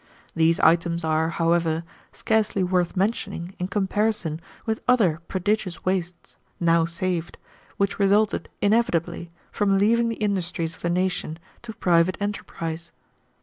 These items are, however, scarcely worth mentioning in comparison with other prodigious wastes, now saved, which resulted inevitably from leaving the industries of the nation to private enterprise.